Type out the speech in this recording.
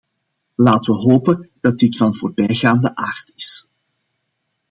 Laten we hopen dat dit van voorbijgaande aard is.